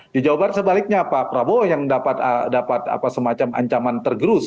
di jawa barat sebaliknya pak prabowo yang dapat semacam ancaman tergerus